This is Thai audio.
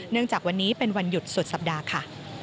จากวันนี้เป็นวันหยุดสุดสัปดาห์ค่ะ